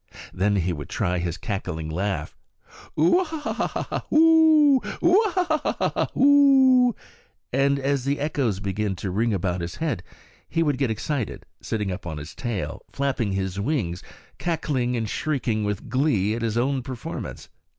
Then he would try his cackling laugh, Ooo áh ha ha ha hoo, ooo áh ha ha ha hoo, and as the echoes began to ring about his head he would get excited, sitting up on his tail, flapping his wings, cackling and shrieking with glee at his own performance.